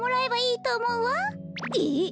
えっ！？